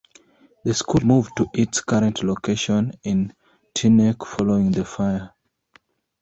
The school moved to its current location in Teaneck following the fire.